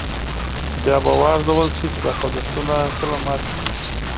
بیا به و ارزول شي چې دا خوځښتونه کله ماتې خوري.